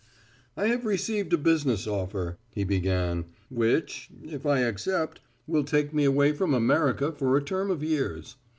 "I have received a business offer," he began, "which if I accept will take me away from America for a term of years.